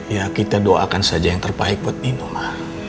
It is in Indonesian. ya kita doakan saja yang terbaik buat nino ma